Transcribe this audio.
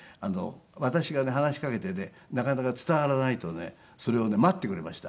私がね話しかけてねなかなか伝わらないとねそれをね待ってくれました。